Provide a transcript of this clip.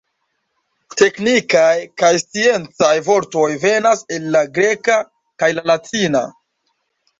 Teknikaj kaj sciencaj vortoj venas el la greka kaj la latina.